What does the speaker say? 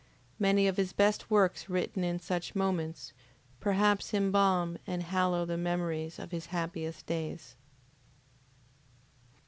Many of his best works written in such moments, perhaps embalm and hallow the memories of his happiest days.